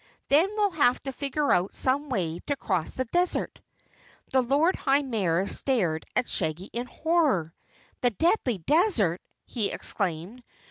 Then we'll have to figure out some way to cross the desert." The Lord High Mayor stared at Shaggy in horror. "The Deadly Desert!" he exclaimed.